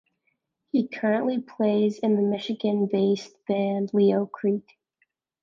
He currently plays in the Michigan-based band Leo Creek.